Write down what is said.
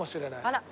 あら。